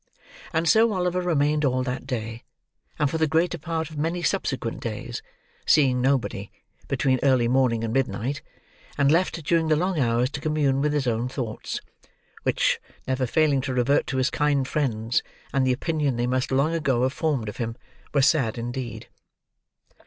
And so Oliver remained all that day, and for the greater part of many subsequent days, seeing nobody, between early morning and midnight, and left during the long hours to commune with his own thoughts. Which, never failing to revert to his kind friends, and the opinion they must long ago have formed of him, were sad indeed.